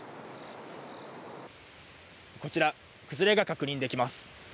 こちら、崩れが確認できます。